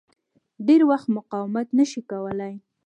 ډېر وخت مقاومت نه شي کولای.